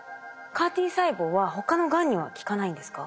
ＣＡＲ−Ｔ細胞は他のがんには効かないんですか？